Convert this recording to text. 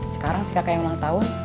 sekarang si kakak yang ulang tahun